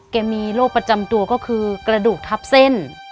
มีโรคประจำตัวก็คือกระดูกทับเส้น